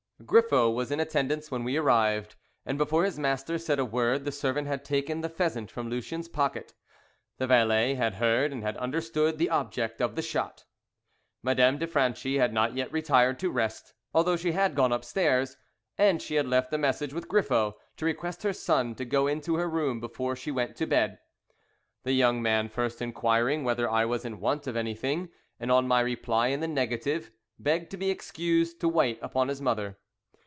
GRIFFO was in attendance when we arrived, and before his master said a word the servant had taken the pheasant from Lucien's pocket. The valet had heard and had understood the object of the shot. Madame de Franchi had not yet retired to rest, although she had gone upstairs, and she had left a message with Griffo to request her son to go into her room before she went to bed. The young man first inquiring whether I was in want of anything, and on my reply in the negative, begged to be excused, to wait upon his mother.